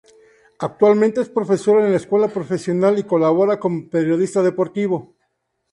Actualmente es profesor en la escuela profesional y colabora como periodista deportivo.